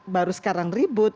baru sekarang ribut